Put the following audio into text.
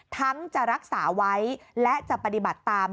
จะรักษาไว้และจะปฏิบัติตาม